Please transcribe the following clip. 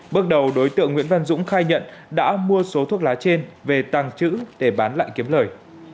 bước đầu đối tượng nguyễn văn dũng khai nhận đã mua số thuốc lá trên về tàng trữ để bán lại kiếm lời